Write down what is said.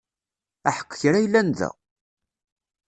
Aḥeqq kra yellan da!